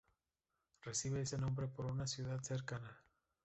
Recibe ese nombre por una ciudad cercana.